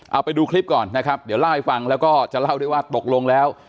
เอาไปดูคลิปก่อนนะครับเดี๋ยวเล่าให้ฟังแล้วก็จะเล่าด้วยว่าตกลงแล้ว